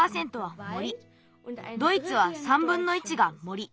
ドイツは３ぶんの１が森。